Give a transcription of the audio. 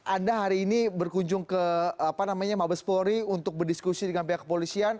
anda hari ini berkunjung ke mabespori untuk berdiskusi dengan pihak kepolisian